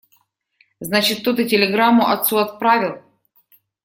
Значит, кто-то телеграмму отцу отправил.